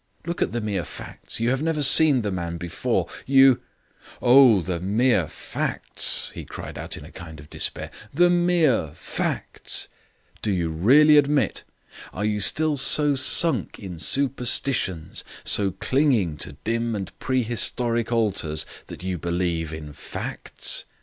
Look at the mere facts. You have never seen the man before, you " "Oh, the mere facts," he cried out in a kind of despair. "The mere facts! Do you really admit are you still so sunk in superstitions, so clinging to dim and prehistoric altars, that you believe in facts?